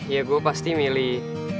ya gue pasti milih